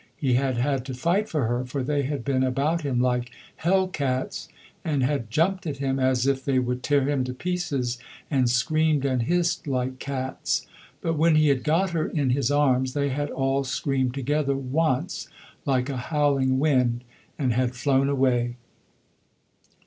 He had had to fight for her, for they had been about him like hell cats and had jumped at him as if they would tear him to pieces, and screamed and hissed like cats. But when he had got her in his arms they had all screamed together, once like a howling wind and had flown away.